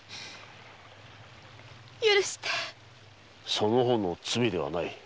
その方の罪ではない。